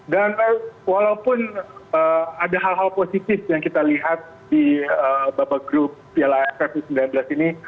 dan walaupun ada hal hal positif yang kita lihat di babak grup piala s satu u sembilan belas ini